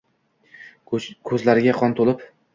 – ko‘zlariga qon to‘lib